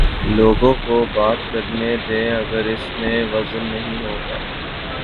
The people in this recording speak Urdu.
لوگوں کو بات کر نے دیں اگر اس میں وزن نہیں ہو گا۔